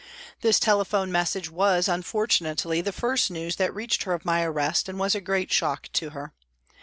This telephone message was, unfortunately, the first news that reached her of my arrest, and was a great shock to her.